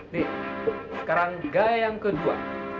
nih sekarang gaya yang kedua